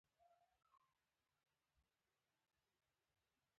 ډرامه د فرهنګ د پراخېدو وسیله ده